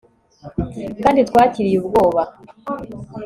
kandi twakiriye ubwoba